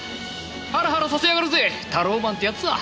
ハラハラさせやがるぜタローマンってやつは。